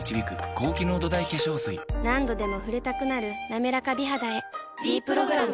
何度でも触れたくなる「なめらか美肌」へ「ｄプログラム」